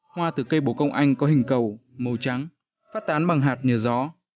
hoa từ cây bồ công anh có hình cầu màu trắng phát tán bằng hạt nhờ gió